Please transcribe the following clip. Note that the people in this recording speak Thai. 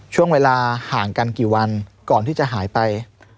ช่วงเวลาห่างกันกี่วันก่อนที่จะหายไป